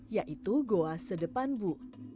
yaitu goa sedepan bu